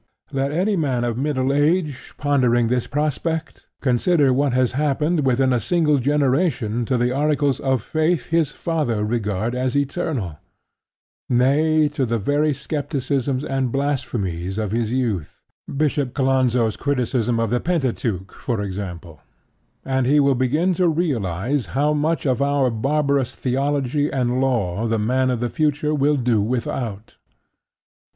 Let any man of middle age, pondering this prospect consider what has happened within a single generation to the articles of faith his father regarded as eternal nay, to the very scepticisms and blasphemies of his youth (Bishop Colenso's criticism of the Pentateuch, for example!); and he will begin to realize how much of our barbarous Theology and Law the man of the future will do without.